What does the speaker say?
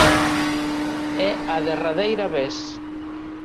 É a derradeira vez.